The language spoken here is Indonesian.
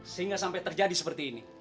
sehingga sampai terjadi seperti ini